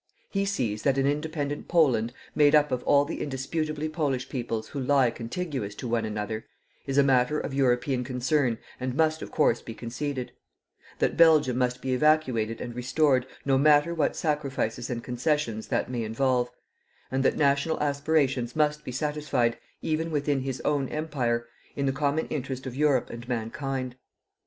He sees that an independent Poland, made up of all the indisputably Polish peoples who lie contiguous to one another, is a matter of European concern and must of course be conceded; that Belgium must be evacuated and restored, no matter what sacrifices and concessions that may involve; and that national aspirations must be satisfied, even within his own empire, in the common interest of Europe and mankind.